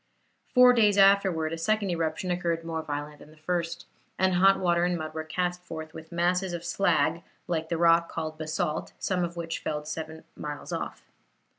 Four days afterwards a second eruption occurred more violent than the first, and hot water and mud were cast forth with masses of slag like the rock called basalt some of which fell seven miles off.